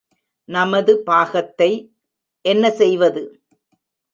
நமது பாகத்தை என்ன செய்வது?